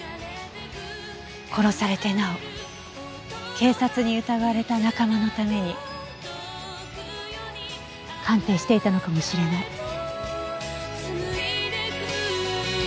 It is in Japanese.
殺されてなお警察に疑われた仲間のために鑑定していたのかもしれない。